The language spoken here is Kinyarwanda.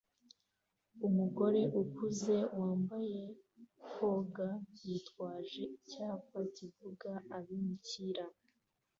Umugore ukuze wambaye koga yitwaje icyapa kivuga abimukira